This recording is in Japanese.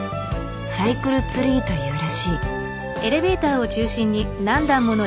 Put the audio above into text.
「サイクルツリー」というらしい。